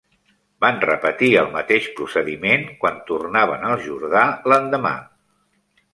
Van repetir el mateix procediment quan tornaven al Jordà l'endemà.